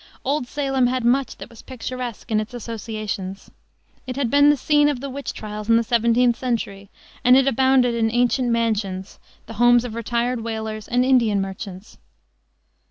Old Salem had much that was picturesque in its associations. It had been the scene of the witch trials in the seventeenth century, and it abounded in ancient mansions, the homes of retired whalers and India merchants.